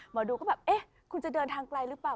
หมอดูก็แบบเอ๊ะคุณจะเดินทางไกลหรือเปล่า